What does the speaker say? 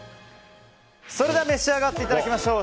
それでは召し上がっていただきましょう。